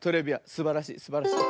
すばらしいすばらしい。